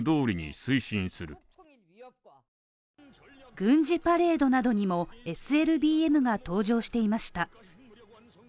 軍事パレードなどにもＳＬＢＭが登場していました。